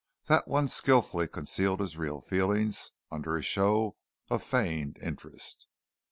That one skilfully concealed his real feelings under a show of feigned interest.